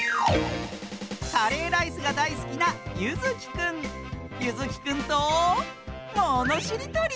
カレーライスがだいすきなゆずきくんとものしりとり！